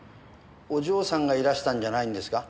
お嬢さんがいらしたんじゃないんですか？